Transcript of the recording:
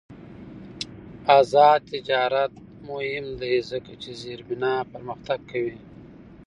آزاد تجارت مهم دی ځکه چې زیربنا پرمختګ کوي.